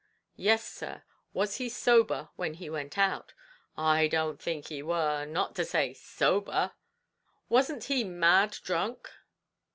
"Yes, sir; was he sober when he went out?" "I don't think he war not to say sober." "Wasn't he mad drunk?"